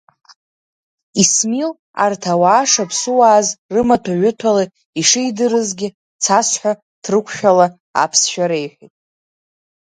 Исмил арҭ ауаа шаԥсуааз рымаҭәа-ҩыҭәала ишидырызгьы цасҳәа ҭрықәшәала аԥсшәа реиҳәеит.